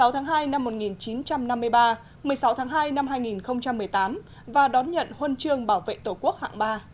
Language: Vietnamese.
một mươi tháng hai năm một nghìn chín trăm năm mươi ba một mươi sáu tháng hai năm hai nghìn một mươi tám và đón nhận huân chương bảo vệ tổ quốc hạng ba